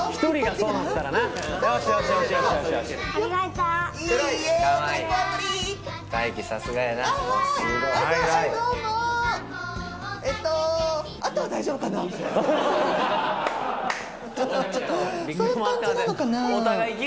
そういう感じなのかな？